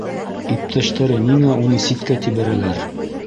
Иптәштәре ниңә уны ситкә тибәрәләр?